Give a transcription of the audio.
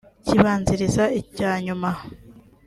kibanziriza icya nyuma